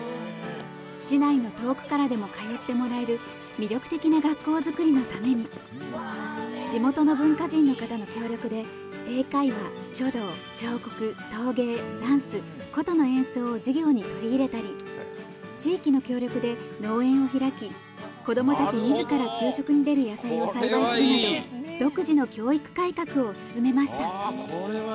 市内の遠くからでも通ってもらえる魅力的な学校づくりのために地元の文化人の方の協力で英会話、書道、彫刻、陶芸ダンス、琴の演奏を授業に取り入れたり地域の協力で農園を開き子どもたちみずから給食に出る野菜を栽培するなど独自の教育改革を進めました。